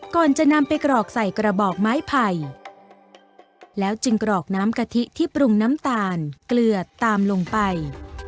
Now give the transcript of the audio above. ก่อนจะนำไปกรอกใส่กระบอกไม้ไผ่แล้วจึงกรอกน้ำกะทิที่ปรุงน้ำตาลเกลือตามลงไป